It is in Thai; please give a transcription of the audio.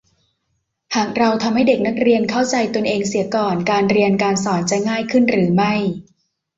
หากเราทำให้เด็กนักเรียนเข้าใจตนเองเสียก่อน การเรียนการสอนจะง่ายขึ้นหรือไม่